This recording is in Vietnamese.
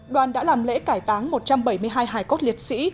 đoàn đã làm lễ cải táng một trăm bảy mươi hai hải cốt liệt sĩ